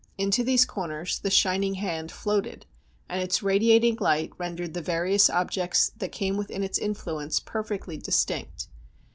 Into these corners the shining hand floated, and its radiating light rendered the various objects that came within its influence perfectly distinct.